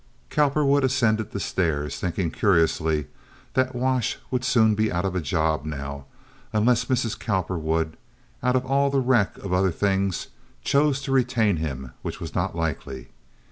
Cowperwood ascended the stairs, thinking curiously that Wash would soon be out of a job now, unless Mrs. Cowperwood, out of all the wreck of other things, chose to retain him, which was not likely.